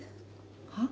はっ？